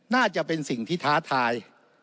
น่าจะเป็นสิ่งที่ท้าทาย